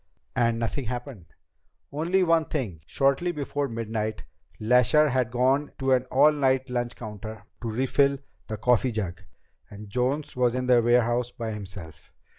"And nothing happened?" "Only one thing. Shortly before midnight, Lasher had gone to an all night lunch counter to refill the coffee jug, and Jones was in the warehouse by himself.